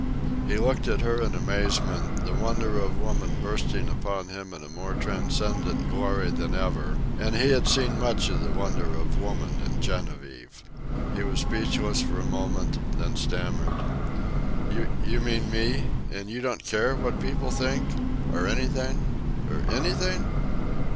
He looked at her in amazement, the wonder of woman bursting upon him in a more transcendent glory than ever, and he had seen much of the wonder of woman in Genevieve. He was speechless for a moment, and then stammered: "You mean me? And you don't care what people think? or anything? or anything?"